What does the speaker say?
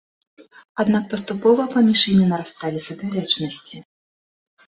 Аднак паступова паміж імі нарасталі супярэчнасці.